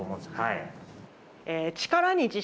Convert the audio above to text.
はい。